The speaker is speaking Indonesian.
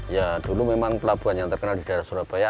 ya dulu memang pelabuhan yang terkenal di daerah surabaya